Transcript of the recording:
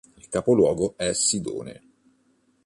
Il capoluogo è Sidone.